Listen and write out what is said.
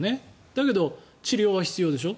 だけど治療は必要でしょ。